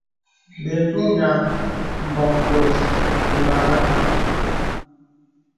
Bə ǹdùnàɛ̂ m̀bɔ̄ŋ bòt ìmàgā.